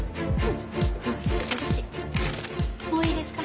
もういいですか？